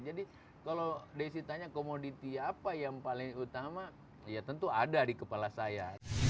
jadi kalau desy tanya komoditi apa yang paling utama ya tentu ada di kepala saya